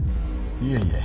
いえいえ。